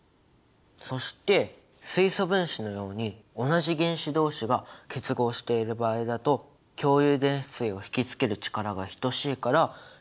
そして水素分子のように同じ原子どうしが結合している場合だと共有電子対を引き付ける力が等しいから結合の極性は生じない。